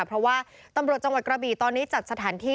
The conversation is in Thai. เพราะว่าตำรวจจังหวัดกระบี่ตอนนี้จัดสถานที่